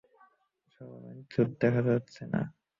শালা বাইঞ্চোদদের দেখাই যাচ্ছে না!